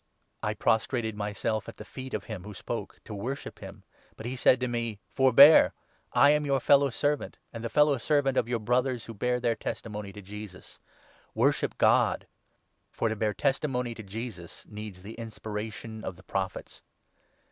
I 10 prostrated myself at the feet of him who spoke to worship him, but he said to me —' Forbear ; I am your fellow servant, and the fellow servant of your Brothers who bear their testimony to Jesus. Worship God. For to bear testimony to Jesus needs the inspiration of the Prophets.'